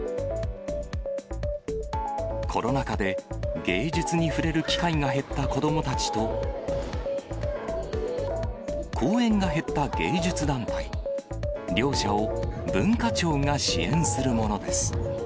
コロナ禍で、芸術に触れる機会が減った子どもたちと、公演が減った芸術団体、両者を文化庁が支援するものです。